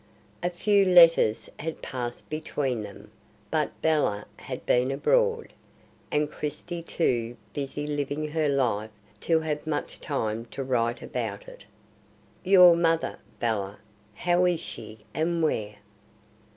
A few letters had passed between them, but Bella had been abroad, and Christie too busy living her life to have much time to write about it. "Your mother, Bella? how is she, and where?"